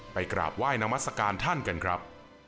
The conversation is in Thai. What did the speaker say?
กราบไหว้นามัศกาลท่านกันครับ